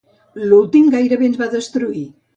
L'últim gairebé ens va destruir.